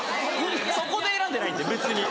そこで選んでないんで別に。